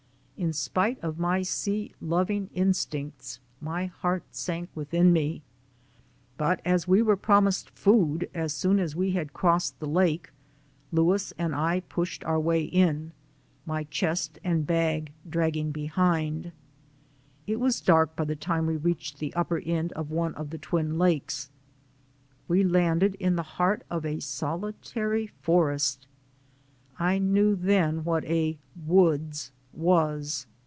In spite of my sea loving instincts, my heart sank within me. But IN THE AMERICAN STORM 85 as we were promised food as soon as we had crossed the lake, Louis and I pushed our way in, my chest and bag dragging behind. It was dark by the time we reached the upper end of one of the Twin Lakes. We landed in the heart of a solitary forest. I knew then what a "woods" was.